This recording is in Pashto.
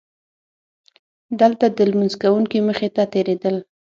دلته د لمونځ کوونکي مخې ته تېرېدل.